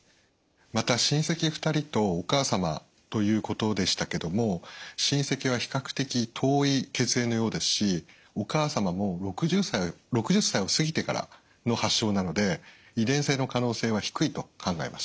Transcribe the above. また親戚２人とお母様ということでしたけども親戚は比較的遠い血縁のようですしお母様も６０歳を過ぎてからの発症なので遺伝性の可能性は低いと考えます。